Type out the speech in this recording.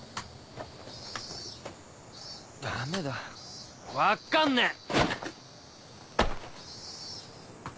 ダメだ分っかんねえ！